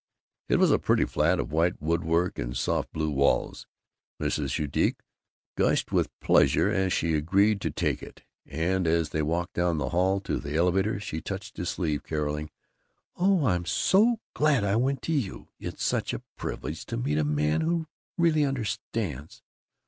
It was a pretty flat, of white woodwork and soft blue walls. Mrs. Judique gushed with pleasure as she agreed to take it, and as they walked down the hall to the elevator she touched his sleeve, caroling, "Oh, I'm so glad I went to you! It's such a privilege to meet a man who really Understands.